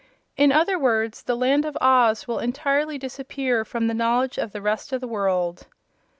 In other words, the Land of Oz will entirely disappear from the knowledge of the rest of the world."